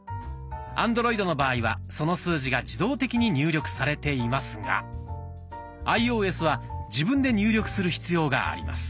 アンドロイドの場合はその数字が自動的に入力されていますがアイオーエスは自分で入力する必要があります。